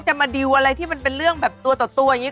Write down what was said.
มาดิวอะไรที่มันเป็นเรื่องแบบตัวต่อตัวอย่างนี้